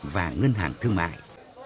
và ngân hàng thương mại